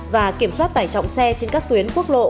và kiểm soát tải trọng xe trên các tuyến quốc lộ